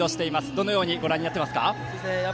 どのようにご覧になっていますか？